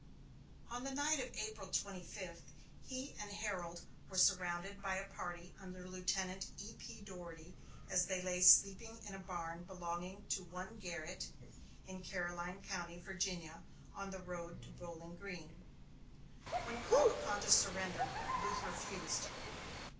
On the night of April 25, he and Herold were surrounded by a party under Lieutenant E.P. Doherty, as they lay sleeping in a barn belonging to one Garrett, in Caroline County, Virginia, on the road to Bowling Green. When called upon to surrender, Booth refused.